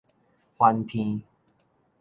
反天